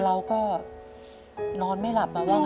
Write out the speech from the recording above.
เราก็นอนไม่หลับมาว่าง